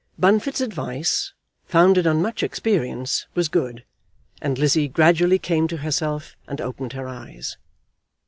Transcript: Bunfit's advice, founded on much experience, was good, and Lizzie gradually came to herself and opened her eyes.